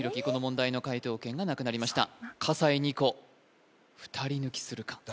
この問題の解答権がなくなりました笠井虹来２人抜きするか？